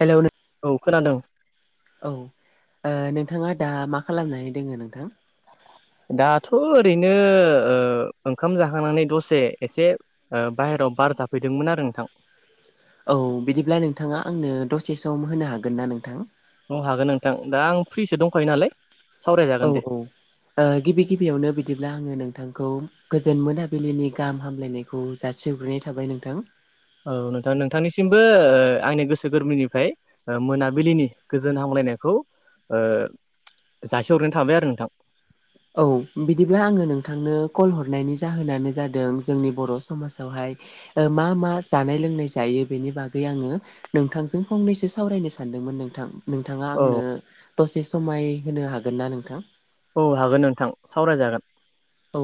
Hello नों औ खोनादों औ नोंथाङा दा मा खालामनानै दोङ नोंथां दाथ' ओरैनो ओंखाम जाखांनानै दसे एसे बाहहेरायाव बार जाफैदोंमोन आरो नोंथां औ बिदिब्ला नोंथाङा आंनो दसे सम होनो हागोन ना नोंथां औ हागोन नोंथां दा आं फ्रिसो दंखायो नालाय औ सावरायजागोन दे औ गिबि गिबियावनो बिदिब्ला आङो नोंथांखौ गोजोन मोनाबिलिनि गाहाम हामलायनायखौ जासिग्रैोननाय थाबाय नोंथां औ नोंथां नोंथांनिसिमबो आंनि गोसो गोरबोनिफ्राय मोनाबिलिनि गोजोन हामलायनायखौ जासिहरनाय थाबाय आरो नोंथां औ बिदिब्ला आङो नोंथांनो कल हरनायनि जाहोनानो जादों जोंनि बर' समाजावहाय मा मा जानाय लोंनाय जायो बेनि बागै आङो नोंथांजों फंनैसो सावरायनो सानदोंमोन नोंथां नोंथाङा औ आंनो दसे समाय होनो हागोन ना नोंथां औ हागोन नोंथां सावरायजागोन औ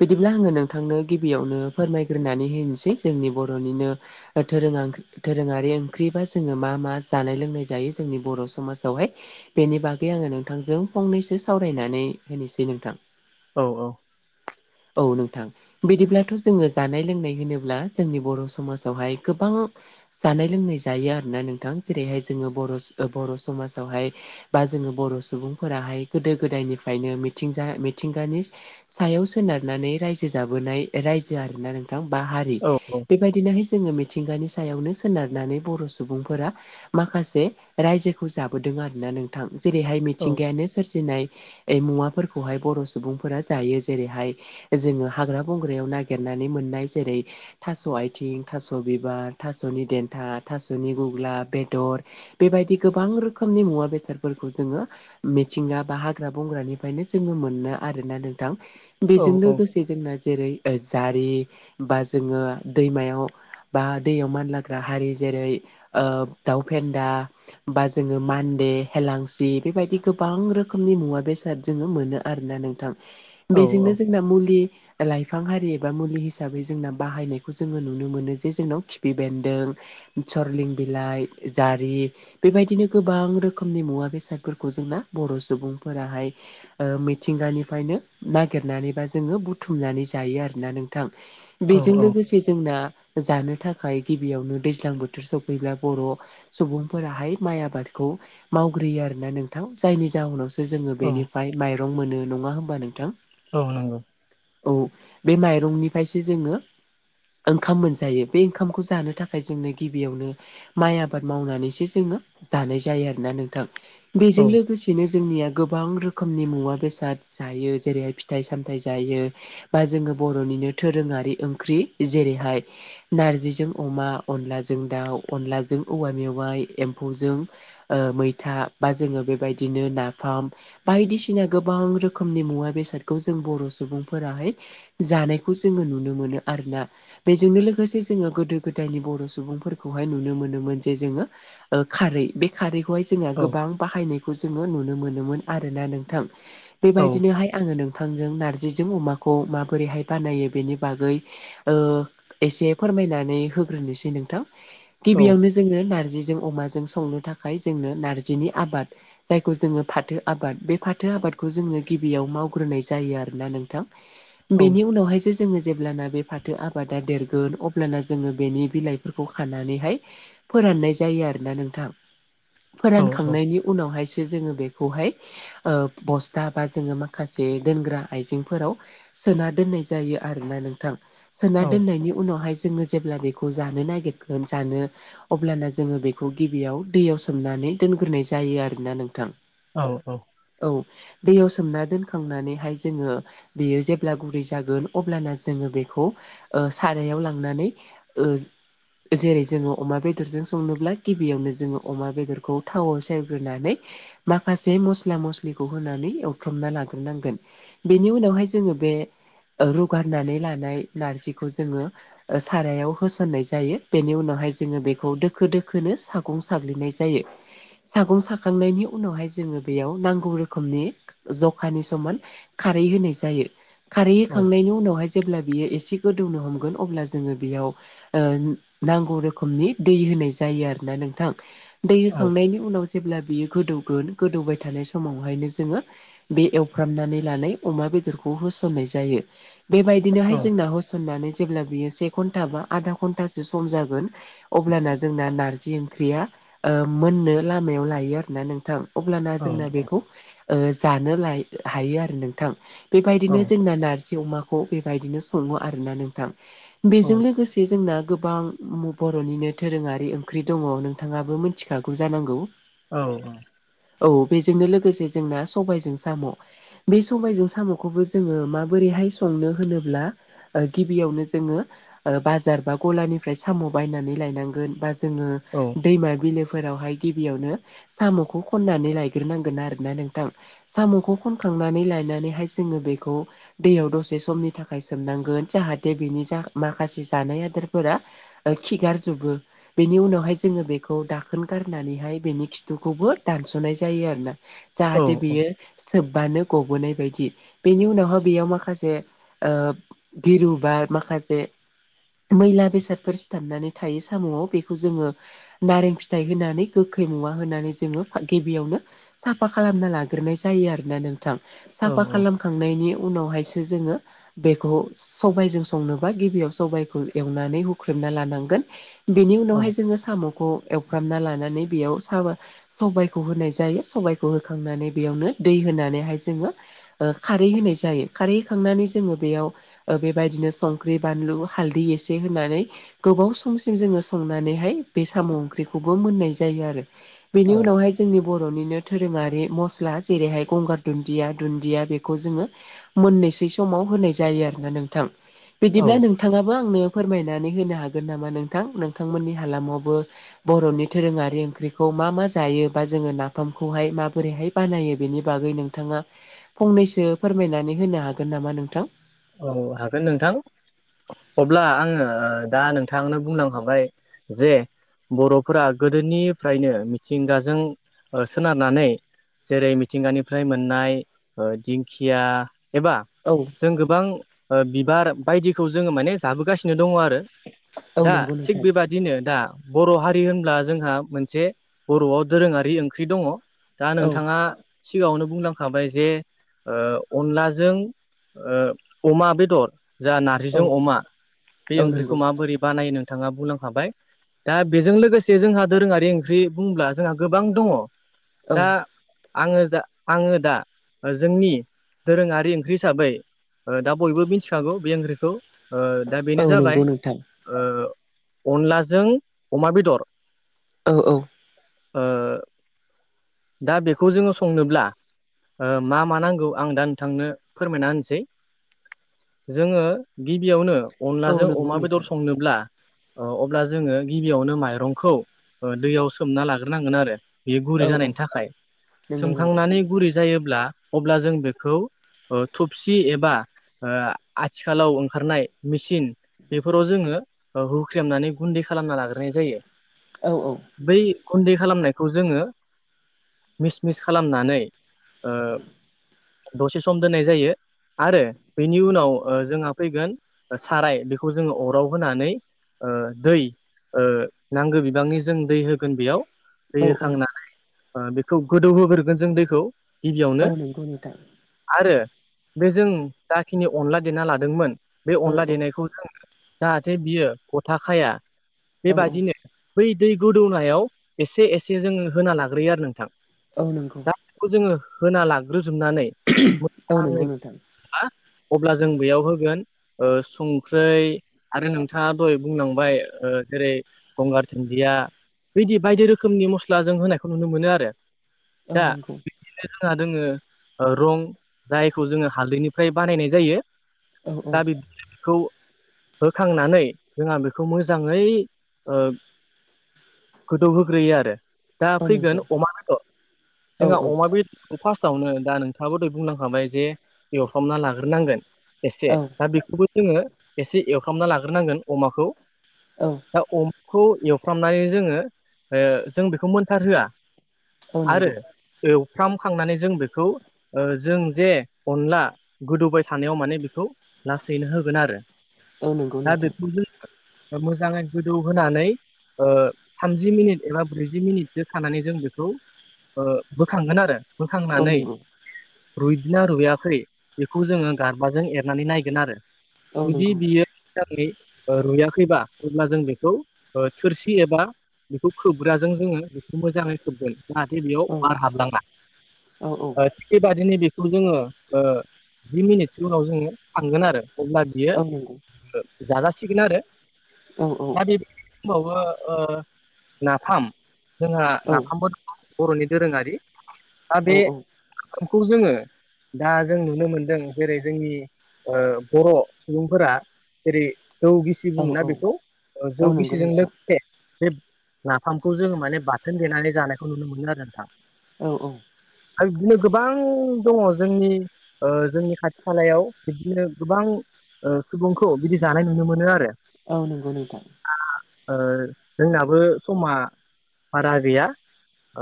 बिदिब्ला आङो नोंथांनो गिबियावनो फोरमायग्रोनानै होनोसै जोंनि बर'निनो दा दोरोङारि ओंख्रिबा जोङो मा मा जानाय लोंनाय जायो जोंनि बर' समाजावहाय बेनि बागै आङो नोंथांजों फंनैसो सावरायनानै होनोसै नोंथां औ औ औ नोंथां बिदिब्लाथ' जोङो जानाय लोंनाय होनोब्ला जोंनि बर' समाजावहाय गोबां जानाय लोंनाय जायो आरोना नोंथां जेरैहाय जोङो बर' बर' समाजावहाय बा जोङो बर' सुबुंफोराहाय गोदो गोदायनिफ्रायनो मिथिंजा मिथिंगानि सायाव सोनारनानै रायजो जाबोनाय रायजो आरोना नोंथां बा हारि औ बेबायदि दिनैहाय जोङो मिथिंगानि सायावनो सोनारनानै बर' सुबुंफोरा माखासे रायजोखौ जाबोदों आरोना नोंथां जेरैहाय औ मिथिंगायानो सोरजिनाय ओइ मुवाफोरखौहाय बर' सुबुंफोरा जायो जेरैहाय जोङो हाग्रा बंग्रायाव नागिरनानै मोननाय जेरै थास' आथिं थास' बिबार थास'नि देन्था थास'नि गुग्ला बेदर बेबायदि गोबां रोखोमनि मुवा बेसादफोरखौ जोङो मिथिंगा बा हाग्रा बंग्रानिफ्रायनो जोङो मोनो आरोना नोंथां बेजों औ लोगोसे जोनना जेरै जारि बा जोङो दैमायाव बा दैयाव मानलाग्रा हारि जेरै ओ दाउ फेन्दा बा जोङो मान्दे हेलांसि बेबायदि गोबां रोखोमनि मुवा बेसाद नुनो मोनो आरोना नोंथां औ बेजोंनो जोंना मुलि लाइफां हारि एबा मुलि हिसाबै जोंना बाहायनायखौ जोङो नुनो मोनो जे जोंनाव खिफि बेन्दों सरलिं बिलाइ जारि बेबायदिनो गोबां रोखोमनि मुवा बेसादफोरखौ जोंना बर' सुबुंफोराहाय मिथिंगानिफ्रायनो नागि नागिनानैबा जोङो बुथुमनानै जायो आरोना नोंथां बेजों औ लोगोसे जोंना जानो थाखाय गिबियावनो दैज्लां बोथोर सफैब्ला बर' सुबुंफोराहाय माइ आबादखौ मावग्रोयो आरोना नोंथां जायनि जाहोनाव जोङो औ बेनिफ्राय माइरं मोनो नङा होमबा नोंथां औ नंगौ औ बे माइरंनिफ्रायसो जोङो ओंखाम मोनजायो बे ओंखामखौ जानो थाखाय जोंनो गिबियावनो माइ आबाद मावनानैसो जोङो जानाय जायो आरोना नोंथां औ बेजों लोगोसेनो जोंनिया गोबां रोखोमनि मुवा बेसाद जायो जेरैहाय फिथाइ सामथायाइ जायो बा जोङो बर'निनो दोरोङारि ओंख्रि जेरैहाय नार्जिजों अमा अनलाजों दाउ अनलाजों औवा मेवाइ एम्फौजों मैथा बा जोङो बेबायदिनो नाफाम बायदिसिना गोबां रोखोमनि मुवा बेसादखौ जों बर' सुबुंफोराहाय जानायखौ जोङो नुनो मोनो आरोना बेजोंनो लोगोसे जोङो गोदो गोदायनि बर' सुबुंफोरखौहाय नुनो मोनोमोन जे जोङो खारै बे खारैखौहाय जोंहा औ गोबां बाहायनायखौ जोङो नुनो मोनोमोन आरोना नोंथां औ बेबायदिनोहाय आङो नोंथांजों नार्जिजों अमाखौ माबोरैहाय बानायो बेनि बागै एसे फोरमायनानै होग्रोनोसै नोंथां गिबियावनो जों जोङो नार्जिजों अमाजों संनो थाखाय जोंनो नार्जिनि आबाद जायखौ जोङो फाथो आबाद बे फाथो आबादखौ जोङो गिबियाव मावो रुग्रोनाय जायो आरोना नोंथां बिनि उनावहायसो जोङो जेब्लाना बे फाथो आबादा देरगोन अब्लाना जोङो बेनि बिलाइफोरखौ खानानैहाय फोराननाय जायो आरोना नोंथां औ फोरानखांनायनि उनावहायसो जोङो बेखौहाय बस्था बा जोङो माखासे माखासे दोनग्रा आइजेंफोराव सोना दोननाय जायो आरोना नोंथां सोना औ दोननायनि उनावहाय जोङो जेब्ला बेखौ जानो नागिरगोन जानो अब्लाना जोङो बेखौ गिबियाव दैयाव सोमनानै दोनग्रोनाय जायो आरोना नोंथां औ औ औ दैयाव सोमना दोन खांनानैहाय जोङो बेयो जेब्ला गुरै जागोन अब्लाना जोङो बेखौ सारायाव लांनानै ओ जेरै जोङो अमा बेदरजों संनोब्ला गिबियावनो जोङो अमा बेदरखौ थावआव सेरग्रोनानै माखासे मस्ला मस्लिखौ होनानै एवथ्रमना लादों नांगोन बेनि उनावहाय जोङो बे रुगारनानै लानाय नारजिखौ जोङो सारायाव होसननाय जायो बेनि उनावहाय जोङो बेखौ दोखो दोखोनो सागं साग्लिनाय जायो सागं साखांनायनि उनावहाय जोङो बेयाव नांगौ रोखोमनि ज खानि समान खारै होनाय जायो खारै होखांनायनि उनावहाय जेब्ला बियो एसे गोदौनो हमगोन अब्ला जोङो बेयाव नांगौ रोखोमनि दै होनाय जायो आरो ना नोंथां दै होखांनायनि उनाव जेब्ला बियो गोदौगोन गोदौबाय थानाय समावहायनो जोङो बे एवफ्रामनानै लानाय अमा बेदरखौ होसननाय जायो बेबायदिनोहाय जोंना ह सुननानै जेब्ला बियो से घन्टा बा आधा घन्टासो सम जागोन अब्लाना जोंना नारजि ओंख्रिया मोननो लामायाव लायो आरोना नोंथां अब्लाना जोंना बेखौ जानो लायो हायो आरो नोंथां बेबायदिनो जोंना नारजि अमाखौ बेबायदिनो सङो आरोना नोंथां बेजों लोगोसे जे जोंना गोबां बर'निनो दोरोङारि ओंख्रि दङ नोंथाङाबो मिथिखागौ जानांगौ औ औ औ बेजोंनो लोगोसे जोंना सबायजों साम' बे सबायजों साम'खौबो जोङो माबोरैहाय संनो होनोब्ला ओ गिबियावनो जोङो बाजार बा गलानिफ्राय साम' बायनानै लायनांगोन बा जोङो औ दैमा बिलोफोरावहाय गिबियावनो साम'खौ खननानै लायग्रोनांगोन आरोना नोंथां। साम'खौ खनखांनानै लायनानैहाय जोङो बेखौ दैयाव दसे समनि थाखाय सोमनांगोन जाहाथे बेनि जा माखासे जानाय आदारफोरा खिगारजोबो बेनि उनावहाय जोङो बेखौ दाखोन गारनानैहाय बेनि खिथुखौबो दानस'नाय जायो आरोना औ जाहाथे बियो सोबबानो गबोनाय बायदि बेनि उनावहाय बेयाव माखासे गिरु बा माखासे मैला बेसादफोर सिथाबनानै थायो साम'आव बेखौ जोङो नारें फिथाइ होनानै गोखै मुवा होनानै जोङो गिबियावनो साफा खालामना लाग्रोनाय जायो आोोना नोंथां औ साफा खालाम खांनायनि उनावहायसो जोङो बेखौ सबायजों संनोबा गिबियाव सबखौ एवनानै हुख्रेमना लानांगोन। बेनि उनावहाय जोङो साम'खौ एव हुगामना लानानै बेयाव साबा सबायखौ होनाय जायो सबायाइखौ होखांनानै बेयावनो दै होनानैहाय जोङो खारै होनाय जायो खारै होखांनानै जोङो बेयाव बेबायदिनो संख्रि बानलु हालदै एसे होनानै गोबाव समसिम जोङो संनानैहाय बे साम' ओंख्रिखौबो मोननाय जायो आरो। बेनि औ उनावहाय जोंनि बर'निनो दोरोङारि मस्ला जेरैहाय गंगार दुन्दिया दुन्दिया बेखौ जोङो मोननोसै समाव होनाय जायो आरोना नोंथां औ बिदिब्ला नों नोंथाङाबो आंनो फोरमायनानै होनो हागोन नामा नोंथां नोंथांमोननि हालामावबो बर'नि दोरोङारि ओंख्रिखौ मा मा जायो बा जोङो नाफामखौहाय माबोरैहाय बानायो बेनि बागै नोंथाङा फंनैसो फोरमायनानै होनो हागोन नामा नोंथां? औ हागोन नोंथां। अब्ला आङो दा नोंथांनो बुंलांखाबाय जे बर'फोरा गोदोनिफ्रायनो मिथिंगाजों ओ सोनारनानै जेरै मिथिंगानिफ्राय मोननाय ओ दिंखिया एबा औ जों गोबां बिबार बायदिखौ जोङो माने जाबोगासिनो दङ आरो औ दा नंगौ थिग नोंथां बेबादि बिदिनो दा बर' हारि होनब्ला जोंहा मोनसे बर'आव दोरोङारि ओंख्रि दङ दा औ नोंथाङा सिगाङावनो बुंलांखाबाय जे ओ अनलाजों ओ अमा बेदर जा औ नारजिजों अमा बे औ ओंख्रिखौ नंगौ माबोरै बानाय नो थाङा बुंलांखाबाय। दा बेजों लोगोसे जोंहा दोरोङारि ओंख्रि बुंब्ला जोंहा गोबां दङ औ दा आङो जा आङो दा जोंनि दोरोङारि ओंख्रि हिसाबै ओ दा बयबो मिथिखागौ बे ओंख्रिखौ ओ दा औ बेनो जाबाय नंगौ नोंथां ओ अनलाजों अमा बेदर। औ औ ओ दा बेखौ जोङो संनोब्ला ओ मा मा नांगौ आं दा नोंथांनो फोरमायना होनसै। जोङो गिबियावनो औ अनलाजों नंगौ अमा बेदर नोंथां संनोब्ला ओ अब्ला जोङो गिबियावनो माइरंखौ ओ दैयाव सोमना लाग्रोनांगोन आरो। बेयो औ गुरै औ जानायनि थाखाय नंगौ नंगौ सोमखांनानै गुरै जायोब्ला अब्ला जों बेखौ ओ थबसि एबा ओ आथिखालाव ओंखारनाय मिसिन बेफोराव जोङो ओ होख्रेमनानै गुन्दै खालामना लाग्रोनाय जायो। औ औ। बै गुन्दै खालामनायखौ जोङो मिस मिस खालामनानै ओ दसे सम दोननाय जायो आरो बेनि उनाव ओ जोंहा फैगोन साराय बेखौ जोङो अराव होनानै ओ दै ओ नांगो बिबांनि जों दै होगोन बेयाव दै औ होखांनानै ओ बेखौ गोदौ होग्रोगोन जों दैखौ। गिबियावनो औ नंगौ नोंथां आरो बेजों जाखिनि अनला देना लादोंमोन बे औ अनला औ देनायखौ जों जाहाथे बियो गथा खाया औ बेबादिनो बै दै गोदौनायाव एसे एसे जोङो होना लाग्रोयो आरो नोंथां। औ नंगौ दा बेखौ जोङो होना लाग्रोजोबनानै औ नंगौ मोजाङै नोंथां आ अब्ला जों बेयाव होगोन। ओ संख्रै आरो नोंथाङा दहय बुंलांबाय ओ जेरै गंगार दुन्दिया बिदि बायदि रोखोमनि मस्ला जों होनायखौ नुनो मोनो आरो। ओ दा नोंगौ। [unintelligible] जोंहा दोङो। ओ रं जायखौ जोङो हालदैनिफ्राय बानायनाय जायो। औ औ दा बिबदिनो बेखौ होखांनानै जोंहा बेखौ मोजाङै ओ गोदौ होग्रोयो आरो दा औ फैगोन नंगौ अमा बेदर औ जोंहा अमा बेद औ फासथावनो दा नोंथाङाबो दय बुंलांखाबाय जे एवफ्रामना लाग्रोनांगोन। एसे औ दा बेखौबो जोङो एसे एवफ्रामना लाग्रोनांगोन अमाखौ। औ। दा अमखौ एवफ्रामनाय जोङो ओ जों बेखौ मोनथारहोआ। औ आरो नंगौ एवफ्रामखांनानै जों बेखौ ओ जों जे अनला गोदौबाय थानायाव माने बेखौ लासैनो होगोन आरो। औ नंगौ दा नोंथां बेखौ जोङो ओ मोजाङै गोदौ होनानै ओ थामजि मिनिट एबा ब्रैजि मिनिटसो थानानै जों बेखौ ओ बोखांगोन आरो औ बोखांनानै नंगौ रुयदोना रुयआखै बेखौ जोङो गारबाजों एरनानै नायगोन आरो। औ जुदि नंगौ बियो मोजाङै ओ रुयाखैबा अब्ला जों बेखौ ओ थोरसि एबा बेखौ खोबग्राजों जोङो बेखौ मोजाङै खोबगोन। जाहाथे बेयाव औ बार हाबलाङा। औ ओ थि बेबादिनो बेखौ जोङो ओ जि मिनिटसो उनाव जोङो खांगोन आरो अब्ला बियो औ नंगौ ओ जाजासिगोन आरो औ औ दा बे खमावबो ओ नाफाम जोंहा नाफामबो बर'नि दोरोङारि दा औ बे खौ जोङो दा जों नुनो मोनदों जेरै जोंनि ओ बर' सुबुंफोरा जेरै जौ गिस जि औ बुङोना बेखौ ओ औ नंगौ जौगिसिजों नोंथां लोगसे बे नाफामखौ जोङो माने बाथोन देनानै जानायखौ नुनो मोनो आरो नोंथां। औ औ। आरो बिदिनो गोबां दङ। जोंनि ओ जोंनि खाथि खालायाव बिदिनो गोबां ओ सुबुंखौ बिदि जानाय नुनो मोनो आरो। औ नंगौ नोंथां। दा ओ जोंनाबो समा बारा गैया।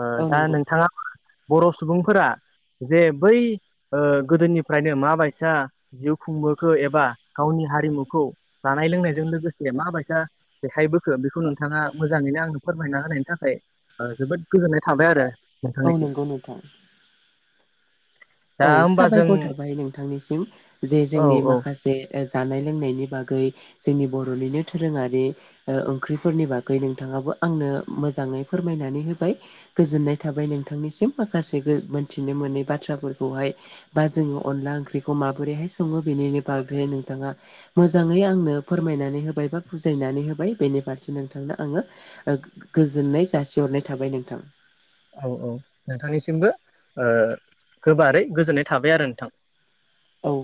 ओ औ दा नंगौ नोंथाङाबो बर' सुबुंफोरा जे बै ओ गोदोनिफ्रायनो माबायसा जिउ खुंबोखो एबा गावनि हारिमुखौ जानाय लोंनायजों लोगोसे माबायसा देखाय बोखो बेखौ नोंथाङा मोजाङैनो आंनो फोरमायना होनायनि थाखाय ओ जोबोद गोजोननाय थाबाय आरो। औ नोंथांनिसिम नंगौ नोंथां। दा औ होमबा जों साबायखर थाबाय नोंथांनिसिम जे औ जोंनि औ माखासे ए जानाय लोंनायनि बागै जोंनि बर'निनो दोरोङारि ओ ओंख्रिफोरनि बागै नोंथाङाबो आंनो मोजाङै फोरमायनानै होबाय। गोजोननाय थाबाय नोंथांनिसिम माखासे गो मोनथिनो मोनै बाथ्राफोर खौहाय बा जोङो अनला ओंख्रिखौ माबोरैहाय सङो बेनिनो बागै नोंथाङा मोजाङै आंनो फोरमायनानै होबाय बा बुजायनानै होबाय बेनि फारसे नोंथांनो आङो। ओ गोजोननाय जासिहरनाय थाबाय नोंथां औ औ नोंथांनिसिमबो ओ गोबारै गोजोननाय थाबाय आरो नोंथां। औ।